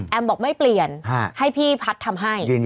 แอมม์บอกไม่เปลี่ยนให้พี่พัดทำให้